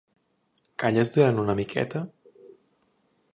Calles durant una miqueta?